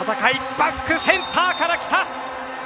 バックセンターからきた。